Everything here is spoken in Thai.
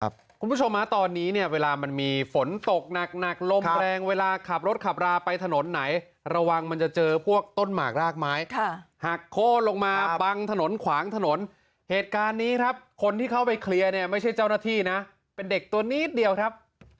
คุณผู้ชมฮะตอนนี้เนี่ยเวลามันมีฝนตกหนักหนักลมแรงเวลาขับรถขับราไปถนนไหนระวังมันจะเจอพวกต้นหมากรากไม้ค่ะหักโค้นลงมาบังถนนขวางถนนเหตุการณ์นี้ครับคนที่เข้าไปเคลียร์เนี่ยไม่ใช่เจ้าหน้าที่นะเป็นเด็กตัวนิดเดียวครับ